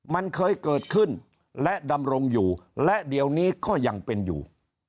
มันเคยเกิดขึ้นและดำรงอยู่และเดี๋ยวนี้ก็ยังเป็นอยู่